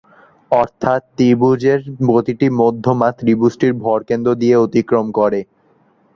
অর্থাৎ ত্রিভুজের প্রতিটি মধ্যমা ত্রিভুজটির ভরকেন্দ্র দিয়ে অতিক্রম করে।